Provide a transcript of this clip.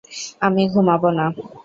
আমি ঘুমাবো না।